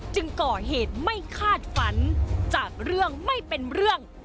จึงก่อเหตุไม่คาดฝันจากเรื่องไม่เป็นเรื่อง